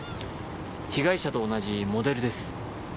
被害者と同じモデルです。